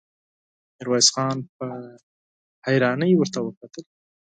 ميرويس خان په حيرانۍ ورته وکتل.